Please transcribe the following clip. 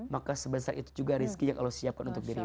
maka sebesar itu juga rizki yang allah siapkan untuk dirimu